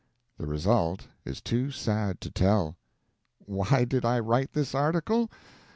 The result is too sad to tell. Why did I write this article?